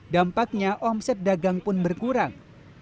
dampaknya omset dagang pun berkurang